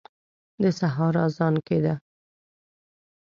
د سهار اذان کېده.